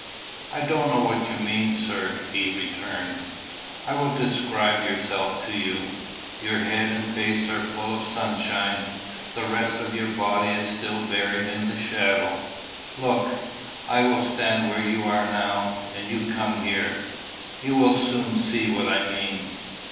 "I don't know what you mean, sir," he returned. "I will describe yourself to you. Your head and face are full of sunlight, the rest of your body is still buried in the shadow. Look; I will stand where you are now; and you come here. You will soon see what I mean."